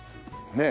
ねえ。